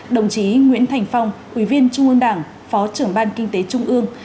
đồng chí nguyễn thành phong ubnd phó trưởng ban kinh tế trung ương